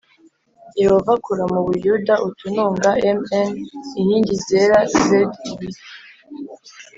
Yehova Akura Mu Buyuda Utununga M N Inkingi Zera Z Ibiti